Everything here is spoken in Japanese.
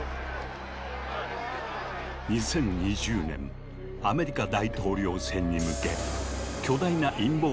２０２０年アメリカ大統領選に向け巨大な陰謀論を訴え